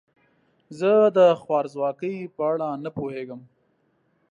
زه د خوارځواکۍ په اړه نه پوهیږم.